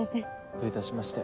どういたしまして。